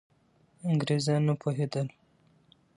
انګریزان نه پوهېدل.